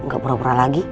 gak pura pura lagi